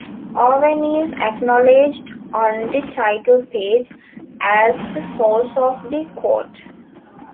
Owen is acknowledged on the title page as the source of the quote.